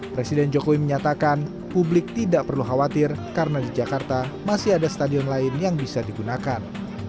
presiden jokowi menyatakan publik tidak perlu khawatir karena di jakarta masih ada stadion lain yang bisa digunakan